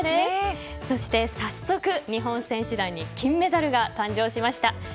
そして早速、日本選手団に金メダルが誕生しました。